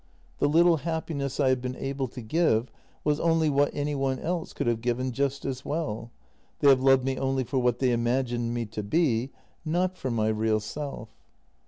The little happiness I have been able to give was only what any one else could have given just as well; they have loved me only for what they imagined me to be, not for my real self.